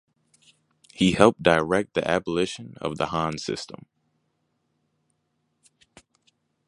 He helped direct the Abolition of the han system.